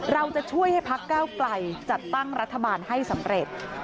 เราจะช่วยให้พักเก้าไกลจัดตั้งรัฐบาลให้สำเร็จ